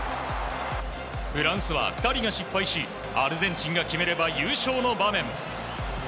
フランスは２人が失敗しアルゼンチンが決めれば優勝の場面。